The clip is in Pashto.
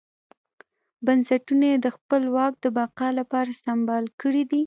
بنسټونه یې د خپل واک د بقا لپاره سمبال کړي دي.